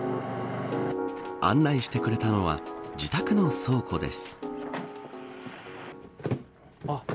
案内してくれたのは自宅の倉庫です。